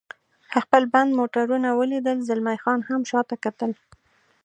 خپل بند موټرونه ولیدل، زلمی خان هم شاته کتل.